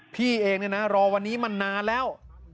พี่เองเนี่ยนะรอวันนี้มานานแล้ว